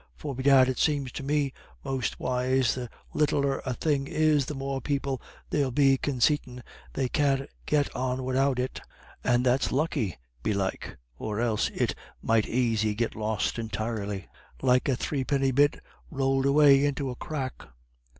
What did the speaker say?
For bedad it seems to me mostwhiles the littler a thing is the more people there'll be consaitin' they can't get on widout it; and that's lucky, belike, or else it might aisy get lost entirely, like a threepenny bit rowled away into a crack.